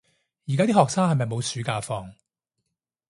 而家啲學生係咪冇暑假放